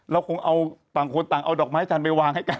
เราคงเอาต่างคนต่างเอาดอกไม้จันทร์ไปวางให้กัน